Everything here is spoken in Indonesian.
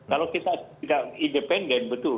kalau kita tidak independen betul